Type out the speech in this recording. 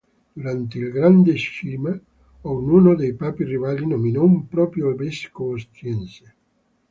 Durante il grande scisma, ognuno dei papi rivali nominò un proprio vescovo ostiense.